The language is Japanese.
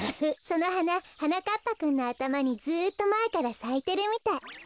そのはなはなかっぱくんのあたまにずっとまえからさいてるみたい。